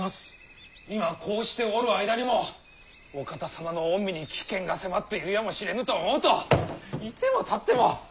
今こうしておる間にもお方様の御身に危険が迫っているやもしれぬと思うと居ても立っても。